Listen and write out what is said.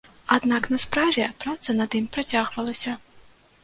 Аднак на справе праца над ім працягвалася.